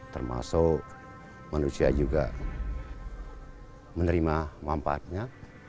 termasuk manusia juga menerima manfaatnya